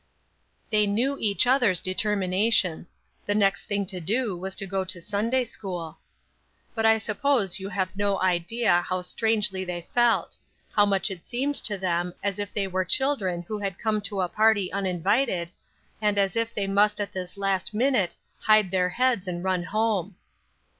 They knew each other's determination. The next thing to do was to go to Sunday school. But I suppose you have no idea how strangely they felt; how much it seemed to them as if they were children who had come to a party uninvited, and as if they must at this last minute hide their heads and run home.